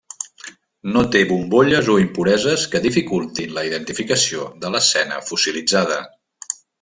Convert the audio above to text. No té bombolles o impureses que dificultin la identificació de l'escena fossilitzada.